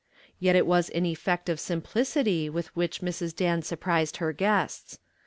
Yet it was an effect of simplicity with which Mrs. Dan surprised her guests.